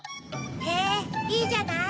へぇいいじゃない。